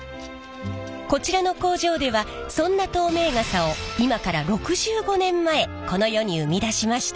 こちらの工場ではそんな透明傘を今から６５年前この世に生み出しました。